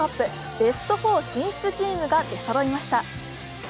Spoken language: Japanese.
ベスト４進出チームが出そろいました。